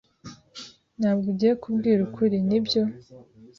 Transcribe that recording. Ntabwo ugiye kubwira ukuri, nibyo?